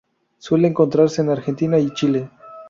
Suele encontrarse en Argentina y Chile.